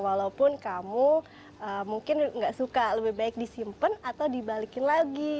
walaupun kamu mungkin nggak suka lebih baik disimpan atau dibalikin lagi